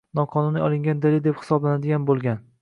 noqonuniy olingan dalil deb hisoblanadigan bo‘lgan.